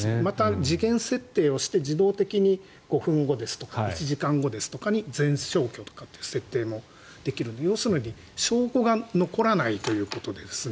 時限設定をして自動的に５分後ですとか１時間後ですとかに全消去とかっていう設定もできるので要するに証拠が残らないということですね。